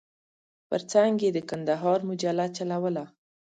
پر څنګ یې د کندهار مجله چلوله.